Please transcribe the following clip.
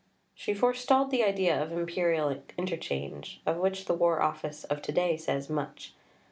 She forestalled the idea of Imperial inter change, of which the War Office of to day says much.